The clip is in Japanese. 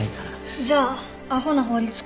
じゃあアホな法律家？